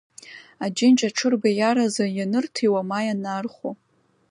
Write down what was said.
Аџьынџь аҽырбеиаразы ианырҭиуа, ма ианаархәо.